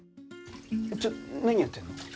ちょっと何やってんの？